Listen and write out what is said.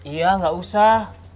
iya gak usah